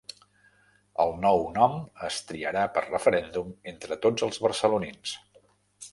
El nou nom es triarà per referèndum entre tots els barcelonins